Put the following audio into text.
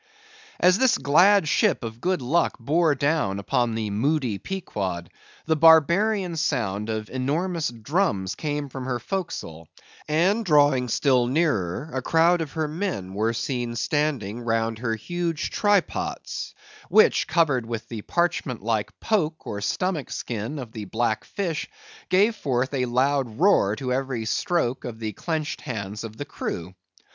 As this glad ship of good luck bore down upon the moody Pequod, the barbarian sound of enormous drums came from her forecastle; and drawing still nearer, a crowd of her men were seen standing round her huge try pots, which, covered with the parchment like poke or stomach skin of the black fish, gave forth a loud roar to every stroke of the clenched hands of the crew.